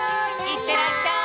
いってらっしゃい！